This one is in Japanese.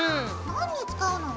何に使うの？